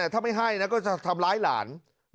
ถ้าไม่ให้นะก็จะทำร้ายหลาน